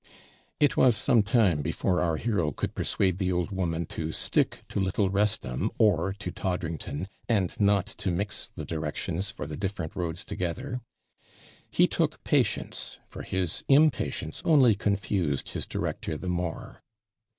It was some time before our hero could persuade the old woman to stick to Little Wrestham, or to Toddrington, and not to mix the directions for the different roads together he took patience, for his impatience only confused his director the more.